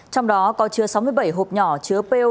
trong đó có chứa sáu mươi bảy hộp nhỏ chứa p o